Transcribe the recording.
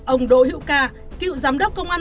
ông đỗ hiệu ca cựu giám đốc công an